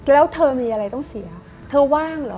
แล้วเธอมีอะไรต้องเสียเธอว่างเหรอ